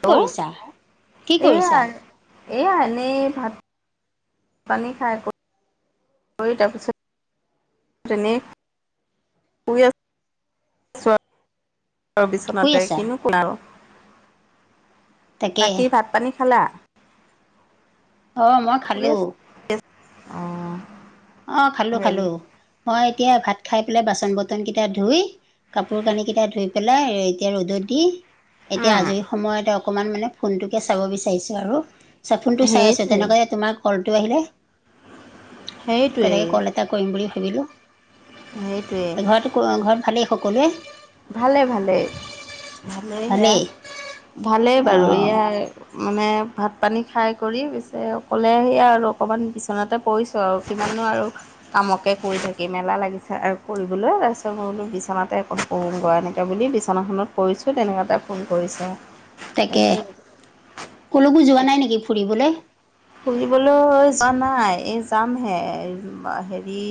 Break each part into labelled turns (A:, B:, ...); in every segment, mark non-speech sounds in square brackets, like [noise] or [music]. A: কি
B: লৌ
A: কৰিছা? কি
B: এইয়া
A: কৰিছা?
B: আ এইয়া এনেই ভাত, পানী খাই প, অ তাৰ পিছত, [unintelligible] শুই [unintelligible]
A: শুই
B: বিচনাতে
A: আছা?
B: কিনো কম আৰু
A: তাকে
B: বাকী ভাত পানী খালা।
A: অ মই খালো।
B: অহ
A: অ খালো খালো মই এতিয়া ভাত খাই পেলাই বাচন বৰ্তন কেইটা ধুই, কাপোৰ কানি কেইটা ধুই পেলাই এতিয়া ৰ'দত দি। এতিয়া
B: উম
A: আজৰি সময়তে অকমান মানে ফোনটোকে চাব বিচাৰিছো আৰু চফোনটো চাই আছ
B: সেইটোৱে
A: তেনেকুৱাকে তোমাৰ কলটো আহিলে।
B: সেইটোৱেই
A: কেনেকে কল এটা কৰিম বুলি ভাবিলো।
B: সেইটোৱে।
A: ঘৰত ভালেই সকলোৱে।
B: ভালে ভালেই ভালেই সেয়া ভালেই বাৰু
A: অঁ
B: এইয়া‌ আৰ, মানে ভাত পানী খাই কৰি পিছে অকলে সেয়া আৰু অকমান বিচনাতে, পৰিছোঁ আও কিমাননো আৰু কামকে কৰি থাকিম এলা লাগিছে আৰু কৰিবলৈ তাপিছ মই বোলো বিচনাতে অকম পয়োংগয়া এনেকে বুলি বিছনাখনত পৰিছোঁ তেনেকুৱাতে ফোন কৰিছা।
A: তাকে ক'লৈকো যোৱা নাই নেকি ফুৰিবলে।
B: ফুৰিবলৈ যোৱা নাই এই যামহে এ বা হেৰি।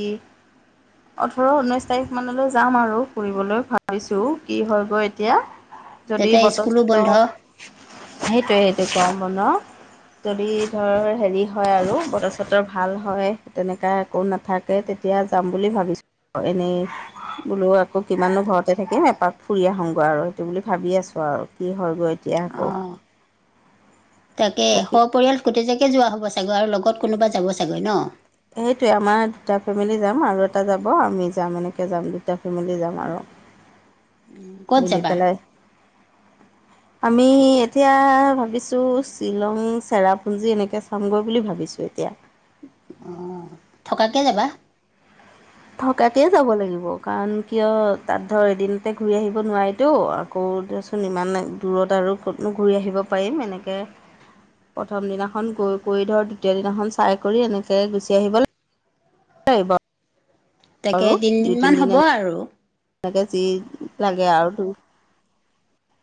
B: ওঠৰ ঊনৈশ তাৰিখ মানলৈ যাম আৰু ফুৰিবলৈ ভাবিছো কি হয় গৈ এতিয়া। যদি
A: তেতিয়া
B: বতৰ
A: স্কুলো
B: চত
A: বন্ধ
B: সেইটোয়ে সেইটোৱে [unintelligible] যদি ধৰ হেৰি হয় আৰু বতৰ চতৰ ভাল হয়, তেনেকা একো নাথাক কে তেতিয়া যাম বুলি ভাবিছোঁ, ক এনেই বোলো আকৌ কিমানো ঘৰতে থাকিম, এপাক ফুৰি আহোংগৈ আৰু সেইটো বুলি ভাবি আছো আৰু কি হয় গৈ
A: অঁহ। তাকে
B: বাকী
A: সপৰিয়াল গোটেই যাকে যোৱা হ'ব চাগৈ আৰু লগত কোনোবা যাব চাগৈ ন?
B: সেইটোৱে আমাৰ দুটা ফেমিলি যাম আৰু এটা যাব, আমি যাম, এনেকে যাম দুটা ফেমিলি যাম আৰু।
A: ক'ত
B: মিলি
A: যাবা
B: পেলাই।
A: [unintelligible]
B: আমি এতিয়া ভাবিছোঁ শ্বিলং, চেৰাপুঞ্জী এনেকে চ পামগৈ বুলি ভাবিছোঁ এতিয়া।
A: অঁ, থকাকে যাবা?
B: থকাকে যাব লাগিব কাৰণ, কিয়' তাত ধৰ এদিনতে ঘূৰি আহিব নোৱাৰিতো, অহ কৌ দেয়চোন ইমানে দূৰত আৰু কিত'নো ঘূৰি আহিব পাৰিম। এনেকে প্ৰথম দিনাখন গৈ কৈ ধৰ, দ্বিতীয় দিনাখন চাই কৰি এনেকে গুচি আহিব লাগ লাগিব।
A: তাকে
B: আৰু দুই
A: তিনিদিনমান
B: তিনিদিন
A: হ'ব আৰু।
B: [unintelligible] যি লাগে আৰু টো,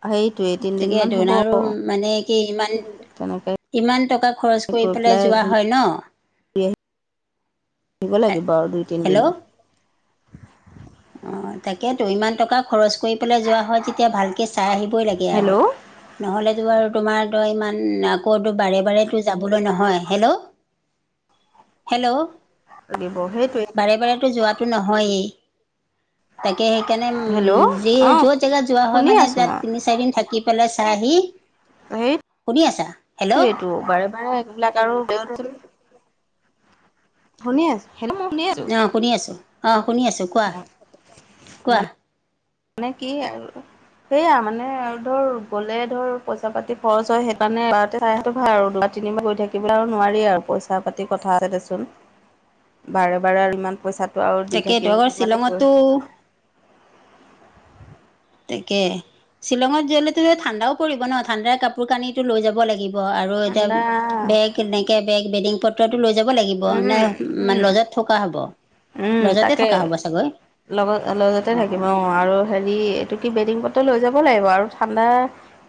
B: সেই
A: তিকেতো দোনাৰো মানে কি ইমান
B: তেনেকৈ
A: ইমান টকা খৰচ কৰি
B: গৈ
A: পেলাই যোৱা
B: ঘূৰি
A: হয় ন?
B: আহিব লাগিব আৰু দুই
A: হেল্ল'
B: তিনদিন।
A: অঁ তাকে তো, ইমান টকা খৰচ কৰি পেলাই যোৱা হয়, তেতিয়া ভালকে চাই আহিবই লাগ এয়া
B: হেল্ল'
A: আৰু। নহ'লেতো বাৰু তোমাৰ তই ইমান আকৌতো বাৰে বাৰেতো যাবলৈ নহয়। হেলৌ! হেলৌ।
B: লাগিব সেইটোৱে
A: বাৰে বাৰেতো যোৱাতটো নহয়েই। তাকে সেইকাৰণে উম
B: হেল্ল'
A: যি
B: অঁ
A: যত জেগাত যোৱা হয়
B: শুনি
A: মানে
B: আছোঁ মই
A: তাত তিনি-চাৰি দিন থাক কি পেলাই চাইহি, শুনি আছা? হেল্ল'!
B: টো বাৰে বাৰে এবিলাক আৰু শুনি আছো, হেনো মই শুনি আছো।
A: অঁ শুনি আছোঁ, অঁ শুনি আছোঁ কোৱা! কোৱা?
B: মানে মানে কি আৰু সেয়া মানে আৰু ধৰ, গ'লে ধৰ পইচা-পাতি খৰচ হয়, সেইকাণে বা দেঠাই হত ভাল আৰু বা তিনিবাৰ গৈ থাকিব আৰু নোৱাৰি আৰু পইচা-পাতি কথা আছে দেচোন।
A: [unintelligible]
B: বাৰে বাৰে আৰু ইমান পইচাটো আও দি
A: তাকেইতো
B: থাকিম
A: আকৌ
B: মানে কৈ
A: শ্বিলঙতো তাকে শ্বিলঙত যালেতো ঠাণ্ডাও পৰিব ন, ঠাণ্ডাৰ কাপোৰ কানিটো লৈ যাব লাগি আৰু
B: ঠাণ্ডা
A: এতিয়া বেগ এনেকে বেগ বেদিঙ পত ট'টো লৈ যাব লাগিব নে,
B: উম উম
A: লজাত থকা হব?
B: উম
A: লজতে
B: তাকে,
A: থকা হ'ব চাগৈ
B: লগত লগতে থাকিব
A: অঁ
B: অ' আৰু হেৰি' এইটো কি বেডিং পট্ৰ লৈ যাব লাগিব আৰু ঠাণ্ডা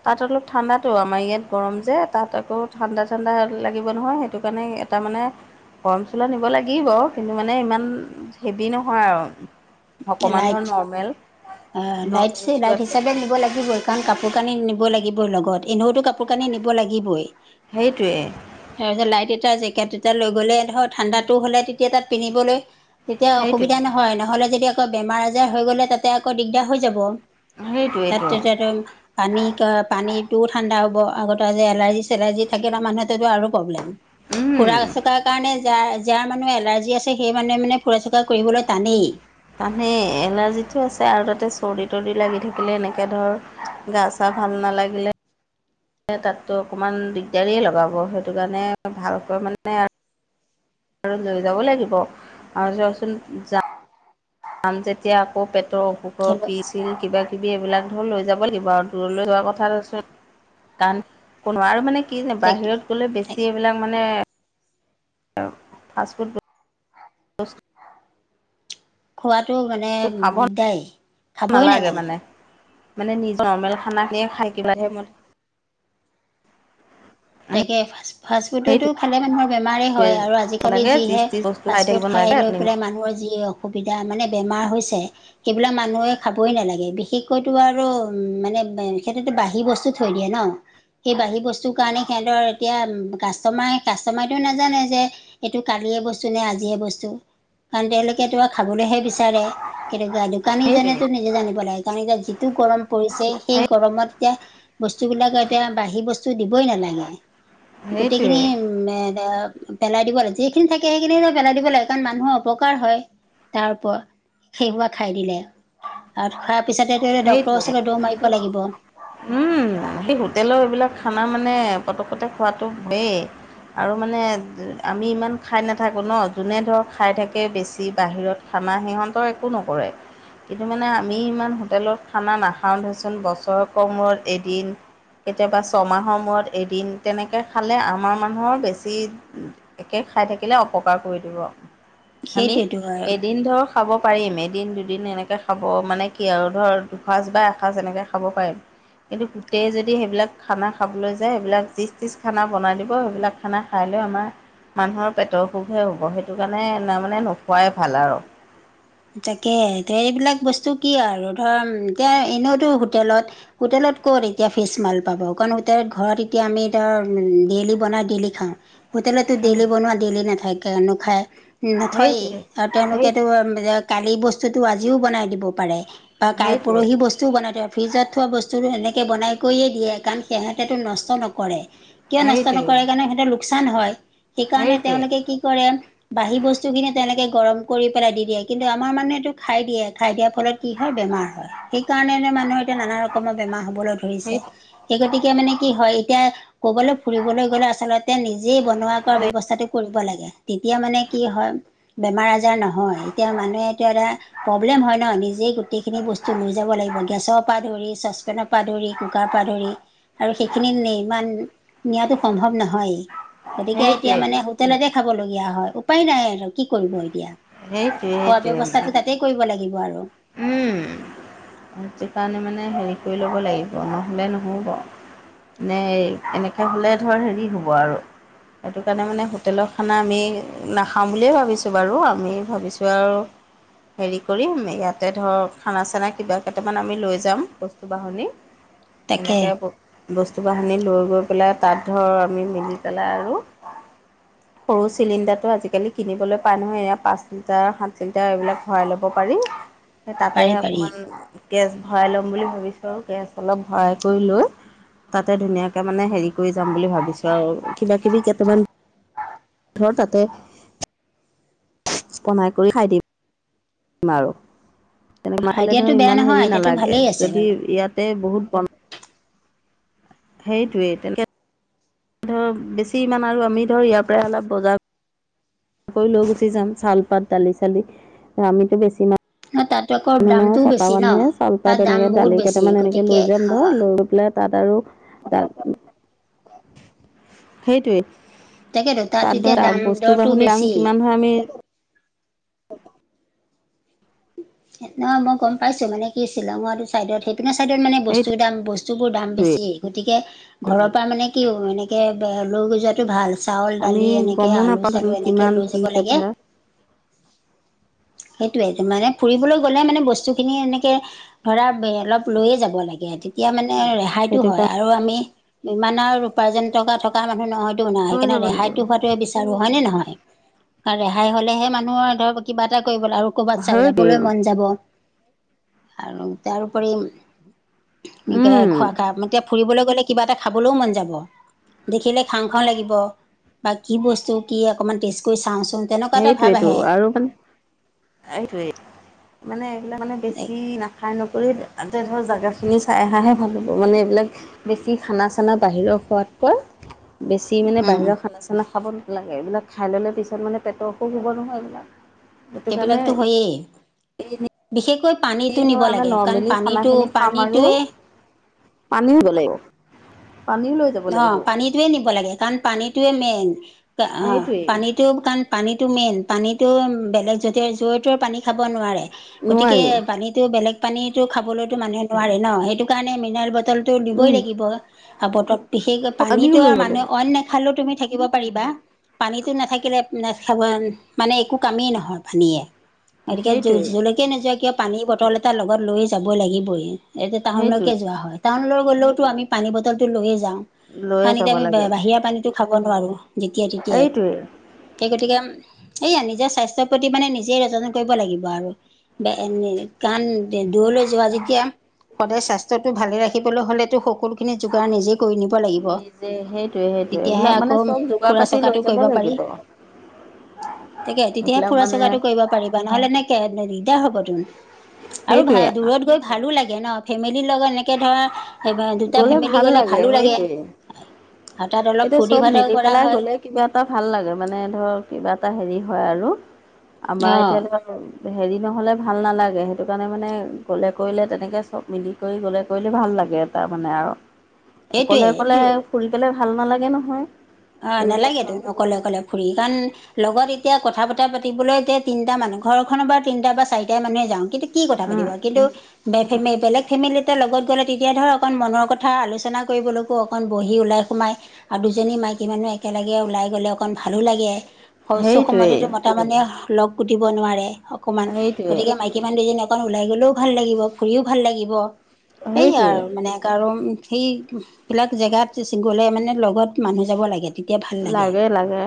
B: তাত অলপ ঠাণ্ডাতো, আমাৰ ইয়াত গৰম যে, তাত আকৌ ঠাণ্ডা ঠাণ্ডা লাগিব নহয়। সেইটো কাৰণে তাৰমানে গৰম চলা নিব লাগিব, কিন্তু মানে ইমান হেভি নহয় আৰু। অকমান ধৰ
A: লাইট
B: নৰ্মেল।
A: অ
B: নৰ্মেল
A: নাইটচে, নাইট
B: চোৱাত
A: হিচাপে নিব লাগিবই, কাৰণ কাপোৰ কানি নিব লাগিব লগত। এনেওত কাপোৰ কানি নিব লাগিবই।
B: সেইটোৱে
A: তাৰপিছত লাইট এটা, জেকেট এটা লৈ গ'লে ধৰ' ঠাণ্ডাটো হ'লে তেতিয়া তাত পিন্ধিবলৈ তেতিয়া অসুবিধা
B: সেইটোৱে
A: নহয়। নহ'লে যদি আকৌ বেমাৰ আজাৰ হৈ গ'লে তাতে আকৌ দিগদাৰ হৈ যাব।
B: সেইটোৱেইটো
A: তাত'তে তেতন পানী'ত পানীটোও ঠাণ্ডা হ'ব। আগতে যে এলাৰ্জি-চেলাৰ্জি থাকিলে মানুহতো আৰু প্ৰব্লেম। ফুৰা চকা, কাৰণে যাৰ যাৰ মানুহ এলাৰ্জি আছে সেই মানুহে মানে ফুৰা চুকা কৰিবলৈ টানেই।
B: তানেই এলাৰ্জিটো আছে আৰু তাতে চৰ্দি তৰ্দি লাগি থাকিলে এনেকে ধৰ। গা চা ভাল নালাগিলে। তাততো অকণমান দিগদাৰিয় লগাব সেইটো কাৰণে ভালকৈ মানে আৰু লৈ যাব লাগিব আৰু যোৱাচোন যা, আম যেতিয়া আকৌ পেটৰ অসুখৰ
A: হেল্ল'
B: পিছ, কিবা কিবি এইবিলাক ধৰ লৈ যাব লাগিব আৰু দূৰলৈ যোৱা কথা, কাণ কোনো আৰু মানে কি যোন বাহিৰত গলে বেছি এইবিলাক মানে। ফাষ্ট ফুড,
A: খোৱাতটো মানে
B: বস্তু খাব
A: দিগদাএ খাবই নালাগে।
B: মানে নিজ নৰ্মেল খানা খিনিয়ে খাই কিবাহে ম
A: তাকে ফাষ্ট ফাষ্টফুডতো।
B: সেইটোৱে
A: খালে মানুহৰ বেমাৰেই হয় আৰু আজিকালি
B: লাগে যি
A: যিহে
B: টি বস্তু
A: ফাষ্টফুড
B: থাকিব
A: খাই
B: নালাগে
A: লৈ
B: আপুনি
A: পেলাই মানুহৰ যিয়ে, অসুবিধা মানে বেমাৰ হৈছে। সেইবিলাক মানুহে খাবই নালাগে বিশেষকৈতো আৰু উম মানে সেই বাহী বস্তু, থৈ দিয়ে ন সেই বাঢ়ি বস্তুৰ কাৰণে। সিহঁতৰ এতিয়া কাষ্টমাৰে কাষ্টমাৰেটোও নাজানে যে, এইটো কালিয়ে বস্তু নে আজিয়ে বস্তু কাৰণ তেওঁলোকেটো আৰু খাবলৈহে বিচাৰে। কেনেকোৱা দোকানীজনে
B: সেইটোৱে
A: নিজে জানিব লাগে কাৰন যিটো গৰম পৰিছে সেই গৰমত। এতিয়া বস্তুবিলাক এতিয়া বাঢ়ি বস্তু দিবই নালাগে গোটেইখিনি।
B: সেইটোৱে
A: উ পেলাই দিব লাগে যিখিনি থাকে সেইখিনি পেলাই দিব লাগে কাৰণ মানুহৰ অপকাৰ হয়। তাৰপ খেহোৱা খাই দিলে আৰু খোৱাৰ পিছতে। তে ডক্তৰ
B: সেইটোৱে
A: ওচৰলৈ দৌ মাৰিব লাগিব।
B: উম সেই হোটেলৰ এইবিলাক খানা মানে পতকতে খোৱাতটো বেই, আৰু মানে আমি ইমান খাই নাথাকোঁ ন যোনে ধৰক খাই থাকে বেছি বাহিৰত। খানা সিহঁতৰ একো নকৰে। কিন্তু মানে আমি ইমান হোটেলত খানা নাখাওঁ ধৰচোন বছৰকৰ মূৰত এদিন। কেতিয়াবা ছমাহৰ মূৰত এদিন তেনেকৈ খালে আমাৰ মানুহৰ বেছি। একে খাই থাকিলে অপকাৰ কৰি দিব আমি
A: সেইটোৱেতো আৰু
B: এদিন ধৰক, খাব পাৰিম এদিন দুদিন এনেকৈ খাব মানে কি আৰু ধৰ দুসাঁজ বা এসাঁজ এনেকৈ খাব পাৰিম। কিন্তু গোটেই যদি সেইবিলাক খানা খাবলৈ যায় সেইবিলাক যিচ তিজ খানা বনাই দিব সেইবিলাক। খানা খাই লৈ আমাৰ মানুহৰ পেটৰ অসুখহে হ'ব সেইটো কাৰণে তাৰমানে নোখোৱাই ভাল আৰু
A: তাকে তে এইবিলাক বস্তু কি আৰু ধৰ অম এতিয়া এনেওতো হোটেলত হোটেলত ক'ত এতিয়া ফিছ মাল পাব কাৰণ হোটেলত ঘৰত এতিয়া আমি ধৰ ডেইলি বনাই ডেইলি খাওঁ। হোটেলতো ডেইলি বনোৱা ডেইলি নাথাকে, নোখায় নথয়েই
B: সেইটোৱে
A: আৰু
B: সেই
A: তেওঁলোকেতো কালি বস্তুটো আজিও বনাই দিব পাৰে বা কাৰ
B: সেইটোৱে
A: পৰহি বস্তু টো বনাই থয় ফ্ৰিজত থোৱা বস্তু সেনেকে বনাই কয়ে দিয়ে কাৰণ সিহঁতেটো নষ্ট নকৰে। কিয় নষ্ট
B: সেইটোৱে
A: নকৰে কাৰণে সিহঁতৰ লোকচান হয় সেইকাৰণে
B: সেইটোৱে
A: তেওঁলোকে কি কৰে। বাহি বস্তুখিনি তেনেকে গৰম কৰি পেলাই দি দিয়ে। কিন্তু আমাৰ মানুহে এইটো খাই দিয়ে খাই দিয়াৰ ফলত কি হয় বেমাৰ। সেই কাৰণে মানুহে এতিয়া নানা ৰকমৰ বেমাৰ হবলৈ ধৰিছে।
B: সেই
A: সেই গতিকে মানে কি হয় এতিয়া ক'বলৈ ফুৰিবলৈ গ'লে আচলতে নিজেই বনোৱা কৰা ব্যৱস্থাটো কৰিব লাগে তেতিয়া মানে কি হয় বেমাৰ- আজাৰ নহয় এতিয়া মানুহে এইটো এটা প্ৰব্লেম হয় ন নিজেই গোটেইখিনি বস্তু লৈ যাব লাগিব গেছৰ পৰা ধৰি চচপেনৰ পা ধৰি কুকাৰ পৰা ধৰি আৰু সেইখিনি ইমান নিয়াতো সম্ভৱ নহয় গতিকে এতিয়া
B: সেইটোৱে
A: মানে, তেনেকে খাবলগীয়া হয় উপায় নাই আৰু কি কৰিব এতিয়া।
B: সেই
A: খোৱা ব্যৱস্থাটো তাতে কৰিব লাগিব আৰু
B: উম সেইটো কাৰণে মানে হেৰি কৰি ল'ব লাগিব, নহ'লে নহ'ব। নে এনেকে হ'লে ধৰ হেৰি হ'ব আৰু। সেইটো কাৰণে মানে হোটেলৰ খানা আমি নাখাওঁ বুলিয়ে ভাবিছোঁ বাৰু, আমি ভাবিছোঁ আৰু হেৰি কৰি আমি ইয়াত তাতে ধৰক খানা - চানা কিবা কেইটামান আমি লৈ যাম বস্তু বাহনি,
A: তাকে
B: এনেকে ব বস্তু বাহিনি লৈ গৈ পেলাই তাত ধৰ আমি মিলি পেলাই আৰু
A: উ [inaudible]
B: সৰু চিলিণ্ডাৰটো আজিকালি কিনিবলৈ পাই নহয় এয়া পাঁচ লিটাৰ, সাত লিটাৰ এইবিলাক ভৰাই ল'ব পাৰি। তাতে
A: পাৰি পাৰি
B: অকমান গেছ ভৰাই লম বুলি ভাবিছো আৰু গেছ অলপ ভৰাই কৰি লৈ তাতে ধুনীয়াকে মানে হেৰি কৰি যাম বুলি ভাবিছো আৰু কিবা - কিবি কেইটামান তাতে বনাই কৰি খাই দিম। মাৰো, তেনেক মা খালে ধৰ
A: আইডিয়াটো বেয়া
B: ইমান
A: নহয়
B: হেৰি
A: আইডিয়াটো
B: নালাগে
A: ভালেই আছে
B: যদি
A: বাৰু
B: ইয়াতে বহুত ব সেইটোৱেই তেনে কে ধৰ বেছি ইমান আৰু আমি ধৰ ইয়াৰ পৰাই অলপ বজাৰ কৰি লৈ গুচি যাম চাউল - পাত, দালি -চালি, আমিতো বেছি ম
A: অ 'তাতো আকৌ
B: মানুহ নহয়
A: দামটোও
B: ছটা
A: বেছি ন
B: মানুহে চাউলপাত
A: তাত দাম
B: এনেকে
A: বহুত
B: দালি
A: বেছি
B: কেইটামান এনেকে লৈ
A: গতিকে
B: যাম
A: অ
B: ধৰ, লৈ পেলাই তাত আৰু তাত সেইটোৱে।
A: তাকেতো
B: তাত
A: এতিয়া
B: ধৰা
A: দাম
B: বস্তু
A: দৰটো
B: বাহনিৰ দাম
A: বেছি
B: কিমান ধৰা আমি অ'
A: নহয় মই গম পাইছো মানে কি শ্বিলংৰ সেইটো চাইডত সেই আপোনাৰ ছাইডত মানে বস্তুৰ
B: সেইটোৱেই
A: দাম বস্তুবোৰ দাম বেছিয়ে গতিকে ঘৰৰ পৰা মানে কি হব এনেকে বে লৈ গৈ যোৱাতকে। এইটো ভাল চাউল
B: আমি
A: দালি এনেকে
B: গমো
A: আলু
B: নাপালোঁ
A: চালু এনেকে
B: কিমান
A: লৈ
B: কি
A: যাব
B: কথা
A: লাগে। সেইটোয়ে মানে ফুৰিবলৈ গ'লে মানে বস্তু খিনি এনেকে। ধৰা অলপ লৈয়ে যাব লাগে তেতিয়া মানে ৰেহাই। সহায়তো
B: সেইটো
A: হয়
B: কাৰণে
A: আৰু আমি ইমান আৰু উপাৰ্জনকা থকা মানুহ নহয়। সেইটো নহয়
B: লৈ
A: সেইকাৰণে
B: যাব লাগিব
A: ৰেহাইতটো হোৱাটো বিচাৰো হয় নে নহয় কাৰণ ৰেহাই হলেহে মানুহৰ ধৰক কিবা এটা। কৰিব আৰু কৰ'বাত চাব
B: সেইটোৱেই
A: যাবলৈ মন যাব। আৰু তাৰউপৰি এনেকে
B: উম
A: খোৱা খা এতিয়া ফুৰিবলৈ গ'লে কিবা এটা খাবলৈও মন যাব। দেখিলে খাওঁ খাওঁ লাগিব বা কি বস্তু কি অকণমান টেষ্ট কৰি চাওঁচো
B: সেইটোয়েইটো আৰু মানে এইটোৱে মানে এইবিলাক মানে বেছি নাখাই নকৰি তাতে ধৰ জেগাখিনি চাই অহাহে ভাল হ'ব মানে এইবিলাক বেছি খানা - চানা বাহিৰৰ খোৱাতকৈ বেছি মানে বাহিৰৰ খানা - চানা খাব নালাগে এইবিলাক খাই ল'লে পিছত মানে পেটৰ অসুখ হব নহয় এইবিলাক। সেইটো কাৰণে
A: সেইবিলাকতো হয়েই। বিশেষকৈ পানীতটো
B: এই ধৰ
A: নিব
B: আমাৰ
A: লাগে কাৰণ
B: নৰ্মেলি
A: পানীটো পানীটোয়ে।
B: পানী ল'ব লাগিব পানী লৈ যাব
A: অ'
B: লাগিব
A: পানীটোয়ে নিব লাগে কাৰণ পানীটোয়ে মেইন অ'
B: সেইটোৱেই
A: পানী কাৰণ পানীটো মেইন পানীটো বেলেগ য'তে জৰে তৰে পানী খাব নোৱাৰে। গতিকে
B: নোৱাৰি
A: পানীতো বেলেগ পানীটো খাবলৈতো মানুহে নোৱাৰে ন সেইটো কাৰণে মিনাৰেল বটল। দিবই
B: উম
A: লাগিব আবতৰত বিশেষকৈ
B: পানীও
A: পানীতো
B: লৈ
A: আৰু
B: যাব লাগিব
A: মানুহে অইন নাখায়। নাখালেও তুমি থাকিব পাৰিবা। পানীতো নাথাকিলে মানে একো কামেই নহয় পানীয়ে। গতিকে
B: সেইটোৱেই
A: জলৈকে নোযোৱা কিয় পানীৰ বটল এটা লগত লৈয়ে যাবই লাগিবই। এতিয়া
B: সেইটোৱে
A: টাউনলৈকে যোৱা হয় টাউনলৈ গ'লেওতো আমি পানী বটলটো লৈয়ে যাওঁ।
B: লৈয়ে
A: পানীতে
B: যাব
A: আমি
B: লাগে
A: বাহিৰা পানীটো খাব নোৱাৰো যেতিয়াই
B: সেইটোৱে
A: তেতিয়াই সেই গতিকে। এইয়া নিজৰ স্বাস্থ্যৰ প্ৰতি মানে নিজেই [unintelligible] কৰিব লাগিব আৰু কাৰণ ণ দূৰলৈ যোৱা যেতিয়া। সদায় স্বাস্থ্যতটো ভালে ৰাখিবলৈ হ'লেতো সকলোখিনি যোগাৰ নিজেই কৰি নিব, কৰিব লাগিব
B: নিজে সেইটোৱে সেইটোৱে
A: তেতিয়াহে
B: এইবিলাক মানে
A: আকৌ
B: চব যোগাৰ
A: ফুৰা
B: পাতি লৈ
A: চকাতো
B: যাব
A: কৰিব পাৰি।
B: লাগিব।
A: তাকে তেতিয়াহে
B: এইবিলাক
A: ফুৰা
B: মানে
A: চকাটো কৰিব পাৰিব। নহলে নেক দিগদাৰ হ'ব তোন আৰু ভাল
B: সেইটোৱে
A: দূৰত গৈ, ভালো লাগে ন ফেমিলিৰ লগত এনেকে ধৰা দুটা ফেমিলি গ'লে ভালো লাগে। আৰু তাত অলপ
B: এতিয়া
A: ফূৰ্তি
B: চব
A: ফাৰ্তাও
B: মিলি
A: কৰা
B: পেলাই
A: হয়।
B: গ'লে কিবা এটা ভাল লাগে মানে ধৰ কিবা এটা হেৰি হয় আৰু আমাৰ
A: অঁ
B: এতিয়া ধৰ, হেৰি নহ'লে ভাল নালাগে সেইটো কাৰণে মানে গ'লে কৰিলে তেনেকৈ চব মিলি কৰি গ'লে। কৰিলে ভাল লাগে এটা মানে আৰু
A: সেইটোৱে
B: অকলে অকলে ফুৰি পেলাই ভাল নালাগে নহয়।
A: অ
B: তেনেকুৱা
A: নালাগে তুমি
B: হয়।
A: অকলে কলে ফুৰি কাৰণ, লগত এতিয়া কথা বতা পাতিবলৈ এতিয়া তিনিটা মানুহ ঘৰখনৰ পৰা তিনটা বা চাৰিটা মানুহে যাওঁ কিন্তু, কি কথা পাতিব কিন্তু বেলেগ ফেমিলি। লগত গ'লে তেতিয়া ধৰ অকণ মনৰ কথা আলোচনা কৰিবলৈকো অকণ বহি ওলাই সোমাই, আৰু দুজনী মাইকী মানুহ একেলগে ওলাই গ'লে অকণ ভালো লাগে
B: সেইটোৱেই
A: সময়তো, তাৰমানে লগ পুটিব নোৱাৰে অকমান
B: সেইটোৱে
A: গতিকে ম
B: সেইটোৱে।
A: কিমান দুজন অকণ ওলাই গলেও ভাল লাগিব ফুৰিও ভাল লাগিব। সেই
B: সেইটোৱে।
A: আৰু মানে আৰু সেইবিলাক জেগাত গলে মানে লগত মানুহ, যাব লাগে। তেতিয়া ভাল
B: লাগে লাগে।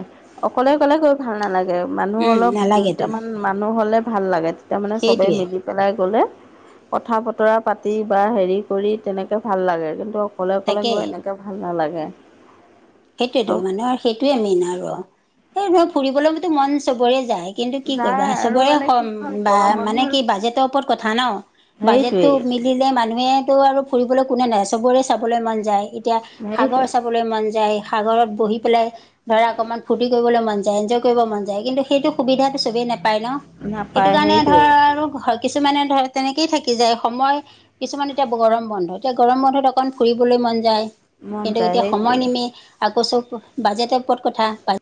B: অকলে অকলে গৈ ভাল নালাগে মানুহ
A: উম
B: অলপ
A: নালাগেতোন
B: দুটামান মানুহ হ'লে ভাল লাগে তেতি মানে চবেই
A: সেইটোৱে
B: মিলি। পেলাই গ'লে কথা বতৰা পাতি বা হেৰি কৰি তেনেকে ভাল লাগে কিন্তু, অকলে অকলে
A: তাকে
B: গৈ এনেকৈ ভাল নালাগে।
A: সেইটোৱেতো
B: চব
A: মানে সেইটোৱে মেইন আৰু সেই মই ফুৰিবলৈতো মন চবৰে যায়। কিন্তু কি
B: যায়
A: কৰিবা
B: আৰু
A: চবৰে
B: মানে কি হয়
A: বা
B: গৰম
A: মানে
B: বন্ধৰ
A: কি বাজেটৰ ওপৰত কথা ন। বাজেটটো
B: সেইটোৱেই
A: মিলিলে মানুহেতটো আৰু ফুৰিবলৈ কোনে নাই চবৰে চাবলৈ মন যায়। এতিয়া সাগৰ
B: সেইটোৱে
A: চাবলৈ মন যায় সাগৰত বহি পেলাই ধৰা অকনমান ফূ্তি কৰিবলৈ মন যায় এনজয় কৰিব মন যায়, কিন্তু সেইটো সুবিধাটো চবেই নাপায়। পায় ন সেইটো
B: নাপায়
A: কাৰণে ধৰ
B: সেইটোৱেই
A: আৰু কিছুমানে ধ তেনেকেই থাকি যায় সময়, কিছুমান এতিয়া গৰম বন্ধ এতিয়া গৰম বন্ধত অকণ ফুৰিবলৈ মন যায়।
B: মন
A: কিন্তু
B: যায়
A: এতিয়া সময়
B: সেইটোৱেই
A: নিমি আকৌ চো বাজেটৰ ওপৰত ক'ত কথা।